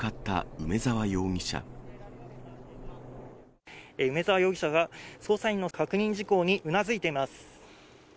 梅沢容疑者が捜査員の確認事項にうなずいています。